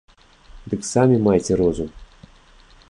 Дык самі майце розум.